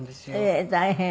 ええ大変。